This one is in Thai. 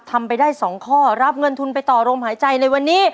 ทำไปได้๒ข้อรับเงินทุนไปต่อลมหายใจในวันนี้